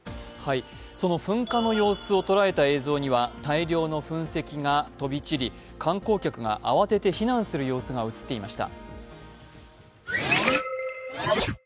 その噴火の様子を捉えた映像には大量の噴石が飛び散り観光客が慌てて避難する様子が映っていました。